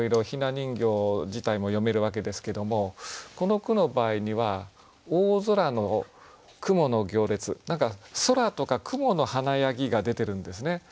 ひな人形自体も詠めるわけですけどもこの句の場合には「大空を雲の行列」何か空とか雲の華やぎが出てるんですね。